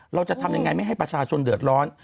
เราจะทำยังไงไม่ให้ประชาชนเดือดร้อน